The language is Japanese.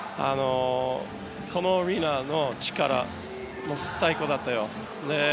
このアリーナの力最高だったよ。